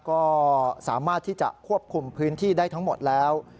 ก็สามารถที่จะควบคุมพื้นที่ได้ทั้งหมดแล้ว